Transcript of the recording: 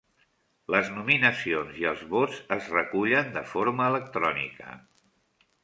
Les nominacions i els vots es recullen de forma electrònica.